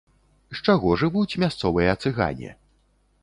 З чаго жывуць мясцовыя цыгане?